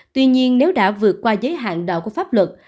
tuy nhiên nếu đã vượt qua giới hạn đạo của pháp luật